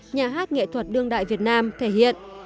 nhà hát nghệ thuật đương đại việt nam thể hiện